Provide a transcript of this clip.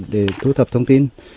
để thu thập thông tin